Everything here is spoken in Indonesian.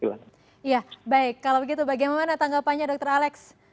kalau begitu bagaimana tanggapannya dokter alex